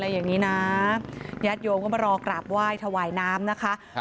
ญาติโยมก็มารอกราบไหว้ถวายน้ำนะคะ